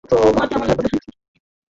তোমার কেমন লাগছে?